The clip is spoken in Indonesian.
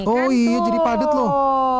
oh iya jadi padat loh